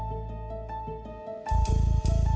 dek aku mau ke sana